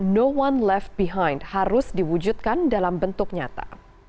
no one left behind harus diwujudkan dalam bentuk nyata